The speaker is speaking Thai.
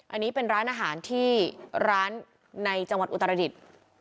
อันนี้เป็นร้านอาหารที่ร้านในจังหวัดอุตรดิษฐ์